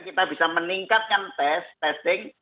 kita bisa meningkatkan tes testing